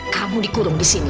kamu dikurung di sini